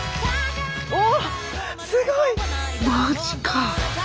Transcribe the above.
おすごい！マジか。